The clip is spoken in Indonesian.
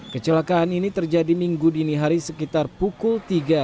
kecelakaan ini terjadi minggu dini hari sekitar pukul tiga